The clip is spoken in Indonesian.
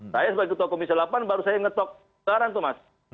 saya sebagai ketua komisi delapan baru saya ngetok barang tuh mas